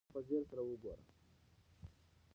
ما ته په ځير سره وگوره.